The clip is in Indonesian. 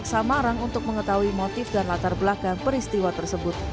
samarang untuk mengetahui motif dan latar belakang peristiwa tersebut